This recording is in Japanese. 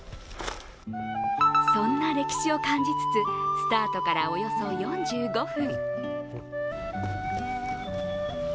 そんな歴史を感じつつ、スタートからおよそ４５分。